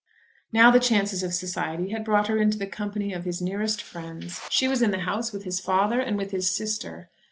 Now the chances of society had brought her into the company of his nearest friends. She was in the house with his father and with his sister.